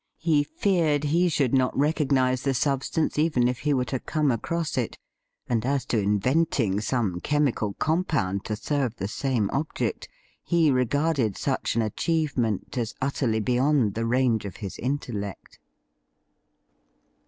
He feared he should not recognise the substance even if he were to come across it, and as to inventing some chemical compound to serve the same object, he regarded such an achievement as utterly beyond the range of his intellect.